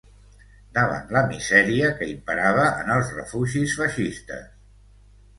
Davant la misèria que imperava en els refugis feixistes